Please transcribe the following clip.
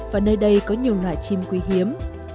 và nơi đây có nhiều loài chim quý hiếm